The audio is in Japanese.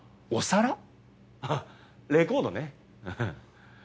あっレコードねハハッ。